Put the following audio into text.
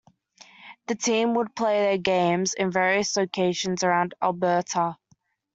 The team would play their games in various locations around Alberta.